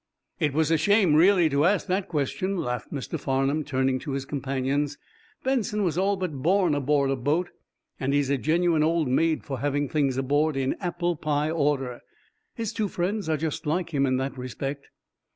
"It was a shame, really, to ask that question," laughed Mr. Farnum, turning to his companions. "Benson was all but born aboard a boat, and he's a genuine old maid for having things aboard in apple pie order. His two friends are just like him in that respect."